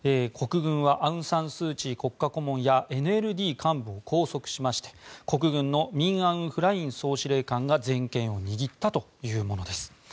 国軍はアウン・サン・スー・チー国家顧問やＮＬＤ幹部を拘束しまして国軍の、ミン・アウン・フライン総司令官が全権を握ったというものです。